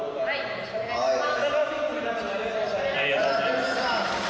よろしくお願いします！